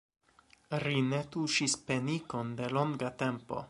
Ri ne tuŝis penikon de longa tempo.